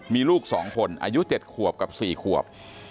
มีลูก๒คนอายุ๗ขวบกับ๔ขวบ